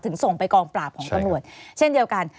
ส่งไปกองปราบของตำรวจเช่นเดียวกัน